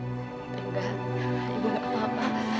ibu gak apa apa